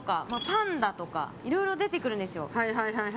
パンダとかいろいろ出てくるんですよ。